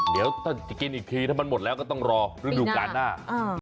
เดี๋ยวถ้าจะกินอีกทีถ้ามันหมดแล้วก็ต้องรอฤดูการหน้า